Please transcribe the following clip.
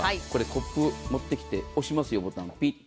コップを持ってきて押しますよボタン。